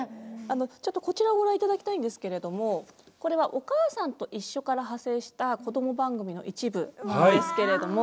ちょっとこちらをご覧いただきたいんですけれどもこれは「おかあさんといっしょ」から派生したこども番組の一部なんですけれども。